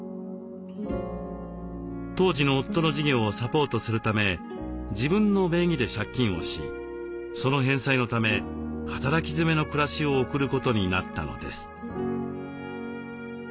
当時の夫の事業をサポートするため自分の名義で借金をしその返済のため働きづめの暮らしを送ることになったのです。